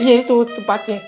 iya itu tempatnya